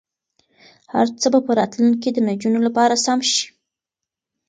هر څه به په راتلونکي کې د نجونو لپاره سم شي.